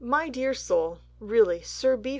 My dear soul, really Sir B.